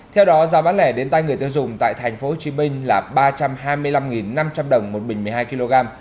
theo đó giá bán lẻ đến tay người tiêu dùng tại tp hcm là ba trăm hai mươi năm năm trăm linh đồng một bình một mươi hai kg